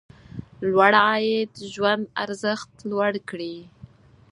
لوړ عاید ژوند ارزښت لوړ کړي.